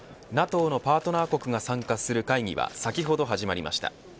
日本などＮＡＴＯのパートナー国が参加する会議は先ほど始まりました。